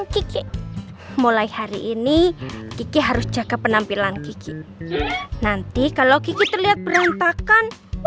kiki mulai hari ini kiki harus jaga penampilan kiki nanti kalau kiki terlihat berontakan